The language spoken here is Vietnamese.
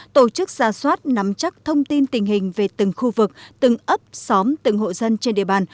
tổ chức ra soát nắm chắc thông tin tình hình về từng khu vực từng ấp xóm từng hộ dân trên địa bàn